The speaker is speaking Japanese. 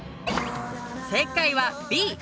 正解はＢ！